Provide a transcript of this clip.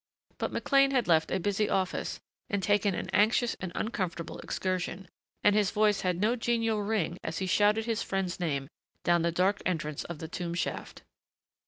But McLean had left a busy office and taken an anxious and uncomfortable excursion, and his voice had no genial ring as he shouted his friend's name down the dark entrance of the tomb shaft.